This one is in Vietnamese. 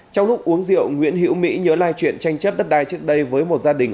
trong lúc uống rượu nguyễn hiễu mỹ nhớ lại chuyện tranh chấp đất đai trước đây với một gia đình